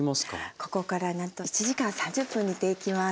ここからなんと１時間３０分煮ていきます。